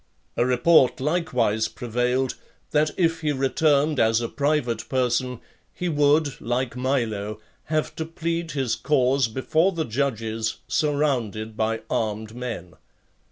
A report likewise prevailed, that if he returned as a private person, he would, like Milo, have to plead his cause before the judges, surrounded by armed men.